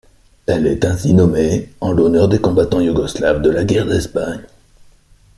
Elle est ainsi nommée en l'honneur des combattants yougoslaves de la Guerre d'Espagne.